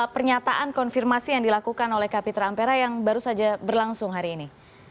pernyataan konfirmasi yang dilakukan oleh kapitra ampera yang baru saja berlangsung hari ini